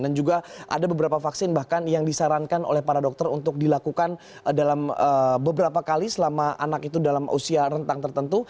dan juga ada beberapa vaksin bahkan yang disarankan oleh para dokter untuk dilakukan dalam beberapa kali selama anak itu dalam usia rentang tertentu